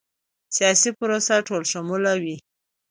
سیاسي پروسه ټولشموله وي